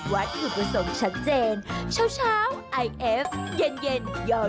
วัดอุปสรรคชัดเจนเช้าไอเอฟเย็นโยโย